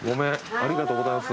ありがとうございます。